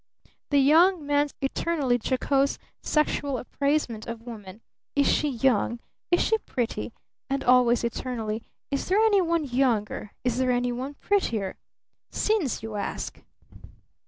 The young man's eternally jocose sexual appraisement of woman! 'Is she young? Is she pretty?' And always, eternally, 'Is there any one younger? Is there any one prettier?' Sins, you ask?"